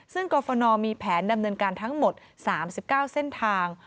ซึ่งกรฟนมีแผนดำเนินการทั้งหมด๓๙เส้นทาง